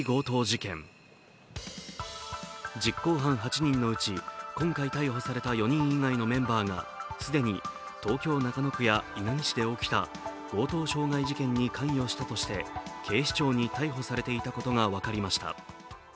実行犯８人のうち今回逮捕された４人以外のメンバーが既に東京・中野区や稲城市で起きた強盗傷害事件に関与したとして警視庁に逮捕されていたことが分かりました。